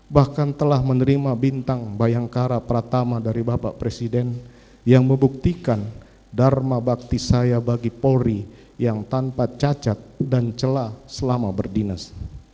bahkan telah menerima bintang bayangkara pratama dari bapak presiden yang membuktikan dharma bakti saya bagi polri yang tanpa cacat dan celah selama berdinas